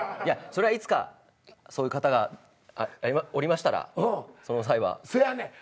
そりゃいつかそういう方がおりましたらその際は。せやねん。